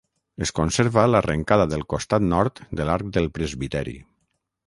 Es conserva l'arrencada del costat nord de l'arc del presbiteri.